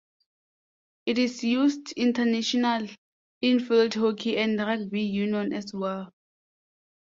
It is used international in field hockey and rugby union as well.